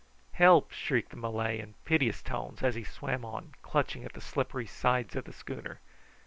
"Help!" shrieked the Malay in piteous tones, as he swam on, clutching at the slippery sides of the schooner.